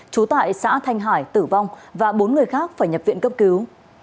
trú tại xã thanh hải tử vong và bốn người khác phải nhập viện cấp cứu